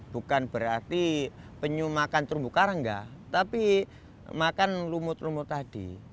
bukan berarti penyu makan terumbu karang enggak tapi makan rumut rumut tadi